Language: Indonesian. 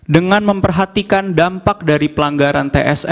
dengan memperhatikan dampak penyelenggaraan pilpres dua ribu dua puluh empat